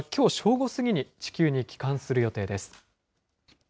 午過ぎに地球に帰還する予定です。